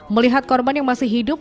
melihat korban yang masih hidup